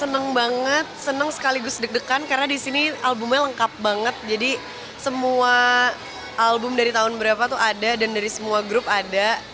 senang banget senang sekaligus deg degan karena disini albumnya lengkap banget jadi semua album dari tahun berapa tuh ada dan dari semua grup ada